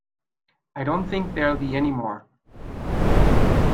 I don't think there'll be any more.